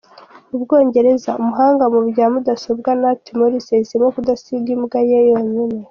U Bwongereza : Umuhanga mu bya mudasobwa Nat Morris yahisemo kudasiga imbwa ye yonyine.